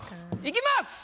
いきます。